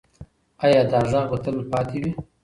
ایا دا غږ به تل پاتې وي؟